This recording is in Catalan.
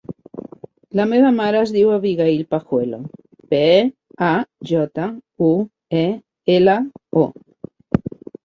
La meva mare es diu Abigaïl Pajuelo: pe, a, jota, u, e, ela, o.